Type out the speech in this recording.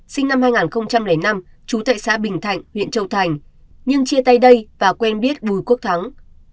sinh năm hai nghìn năm trú tại xã bình thạnh huyện châu thành nhưng chia tay đây và quen biết bùi quốc thắng